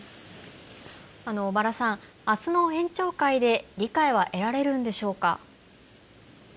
小原さん、あすの園長会で理解は得られるんでしょうか。